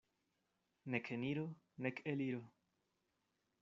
Nek eniro, nek eliro.